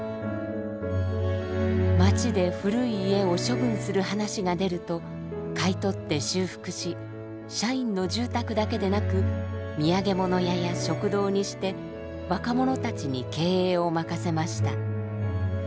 町で古い家を処分する話が出ると買い取って修復し社員の住宅だけでなく土産物屋や食堂にして若者たちに経営を任せました。